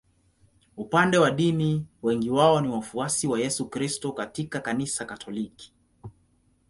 Upande wa dini wengi wao ni wafuasi wa Yesu Kristo katika Kanisa Katoliki.